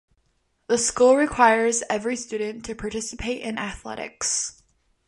The school requires every student to participate in athletics.